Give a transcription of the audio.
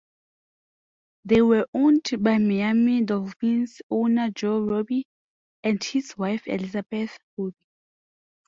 They were owned by Miami Dolphins owner Joe Robbie and his wife Elizabeth Robbie.